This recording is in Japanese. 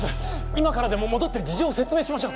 今からでも戻って事情を説明しましょう。